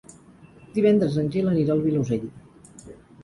Divendres en Gil anirà al Vilosell.